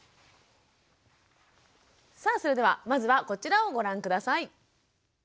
さあそれではまずはこちらをご覧下さい。